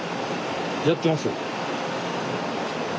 やってますよ。